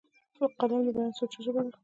قلم د بیان سوچه ژبه ده